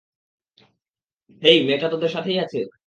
হেই, মেয়েটা তোদের সাথেই আছে?